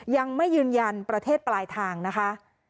ยังไม่ยืนยันประเทศปลายทางนะคะ